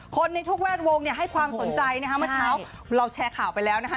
ในทุกแวดวงเนี่ยให้ความสนใจนะคะเมื่อเช้าเราแชร์ข่าวไปแล้วนะคะ